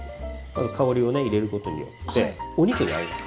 香りをね入れることによってお肉に合います。